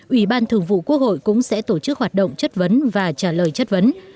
ủy ban thường vụ quốc hội cũng sẽ tổ chức hoạt động chất vấn và trả lời chất vấn